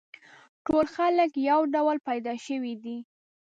ټول خلک یو ډول پیدا شوي دي.